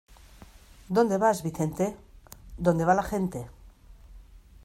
¿Dónde vas Vicente?, donde va la gente.